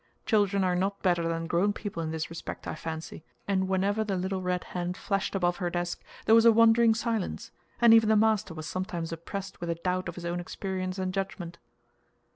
Children are not better than grown people in this respect, I fancy; and whenever the little red hand flashed above her desk, there was a wondering silence, and even the master was sometimes oppressed with a doubt of his own experience and judgment.